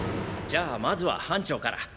じゃあまずは班長から。